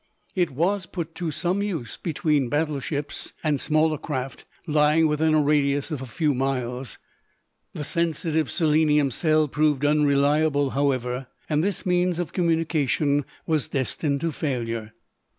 It was put to some use between battle ships and smaller craft lying within a radius of a few miles. The sensitive selenium cell proved unreliable, however, and this means of communication was destined to failure.